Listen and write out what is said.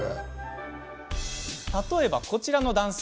例えば、こちらの男性。